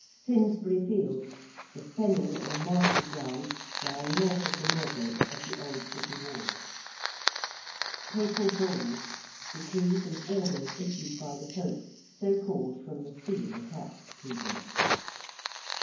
~Finsbury Fields~: the fenny or marshy ground lying north of the Moorgate of the old City walls. ~Papal Bulls~: decrees and orders issued by the Pope, so called from the seal attached to them.